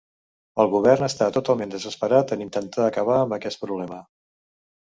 El govern està totalment desesperat en intentar acabar amb aquest problema.